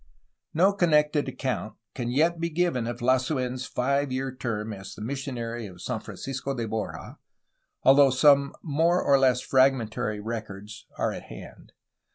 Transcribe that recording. No connected account can yet be given of Lasu^n's five year term as the missionary of San Francisco de Borja, al though some more or less fragmentary records are at hand.